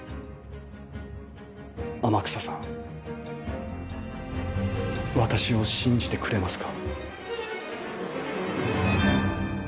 天草さん私を信じてくれますか？